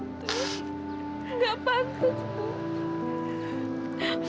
nggak pantas ibu